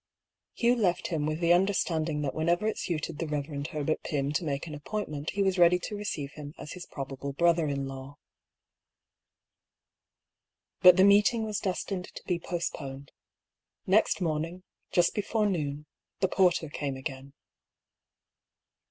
Hugh left him with the understanding that when ever it suited the Bev. Herbert Pym to make an appoint ment he was ready to receive him as his probable brother in law. But the meeting was destined to be postponed. Next morning, just before noon, the porter came again.